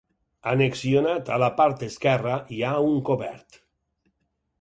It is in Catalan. Annexionat a la part esquerra hi ha un cobert.